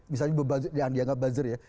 misalnya dianggap buzzer ya